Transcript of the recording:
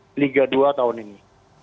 di liga dua tahun ini